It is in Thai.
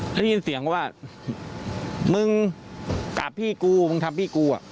แล้วได้ยินเสียงเขาว่ามึงกราบพี่กูมึงทำพี่กูอ่ะ